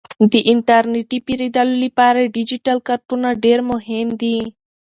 د انټرنیټي پیرودلو لپاره ډیجیټل کارتونه ډیر مهم دي.